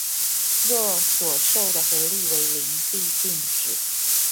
若所受的合力為零必靜止